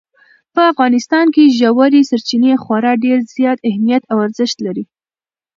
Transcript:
په افغانستان کې ژورې سرچینې خورا ډېر زیات اهمیت او ارزښت لري.